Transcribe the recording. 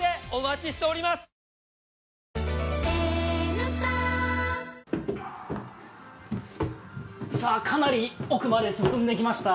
ニトリかなり奥まで進んできました。